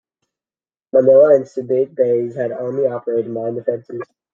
Manila and Subic Bays had Army-operated mine defenses.